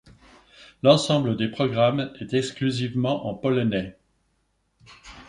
L'ensemble des programmes est exclusivement en polonais.